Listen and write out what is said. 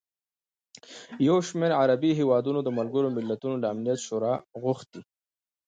یوشمېر عربي هېوادونو د ملګروملتونو له امنیت شورا غوښتي